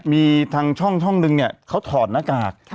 มีทางช่องนึงเนี่ยเขาถอดหน้ากาก